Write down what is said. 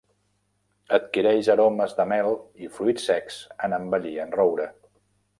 Adquireix aromes de mel i fruits secs en envellir en roure.